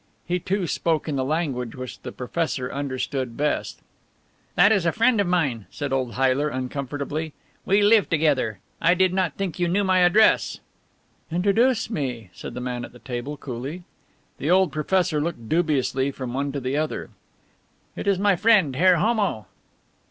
He, too, spoke in the language which the professor understood best. "That is a friend of mine," said old Heyler uncomfortably, "we live together. I did not think you knew my address." "Introduce me," said the man at the table coolly. The old professor looked dubiously from one to the other. "It is my friend, Herr Homo."